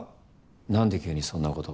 何で急にそんなことを？